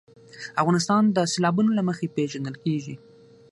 افغانستان د سیلابونه له مخې پېژندل کېږي.